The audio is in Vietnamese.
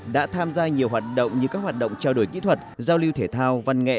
đã tham gia nhiều hoạt động như các hoạt động trao đổi kỹ thuật giao lưu thể thao văn nghệ